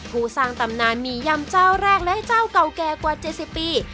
ผู้สร้างตำนานหมี่ยำเจ้าแรกและเจ้าเก่าแก่กว่า๗๐ปี